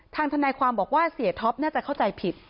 ทนายความบอกว่าเสียท็อปน่าจะเข้าใจผิด